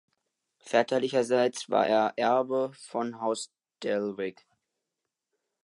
Väterlicherseits war er Erbe von Haus Dellwig.